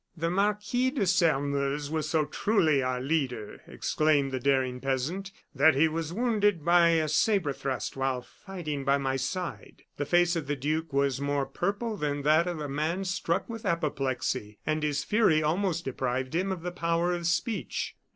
"The Marquis de Sairmeuse was so truly our leader," exclaimed the daring peasant, "that he was wounded by a sabre thrust while fighting by my side." The face of the duke was more purple than that of a man struck with apoplexy; and his fury almost deprived him of the power of speech.